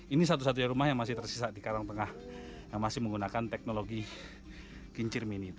ini satu satunya rumah yang masih tersisa di karangtengah yang masih menggunakan teknologi kincir mini